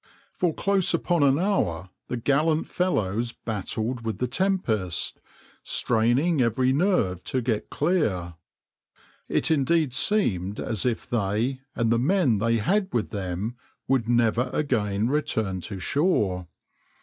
For close upon an hour the gallant fellows battled with the tempest, straining every nerve to get clear. It indeed seemed as if they and the men they had with them would never again return to shore.